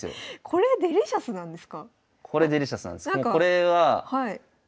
これデリシャスなんです。